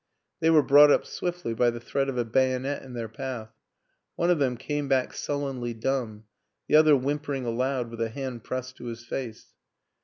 They were brought up swiftly by the threat of a bayonet in their path; one of them came back sullenly dumb, the other whim pering aloud with a hand pressed to his face.